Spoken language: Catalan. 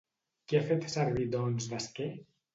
Què ha fet servir, doncs, d'esquer?